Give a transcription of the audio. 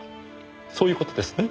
そういう事ですね？